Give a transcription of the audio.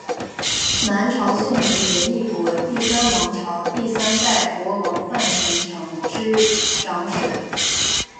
南朝宋及林邑国第三王朝第三代国王范神成之长史。